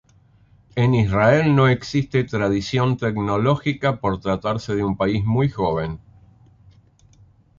En Israel no existe tradición tecnológica por tratarse de un país muy joven.